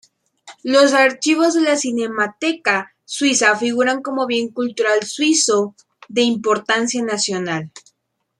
Los archivos de la cinemateca suiza figuran como bien cultural suizo de importancia nacional.